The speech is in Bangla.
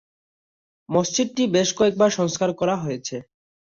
মসজিদটি বেশ কয়েকবার সংস্কার করা হয়েছে।